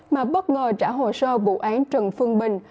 mà bất ngờ trả hồ sơ vụ án trần phương bình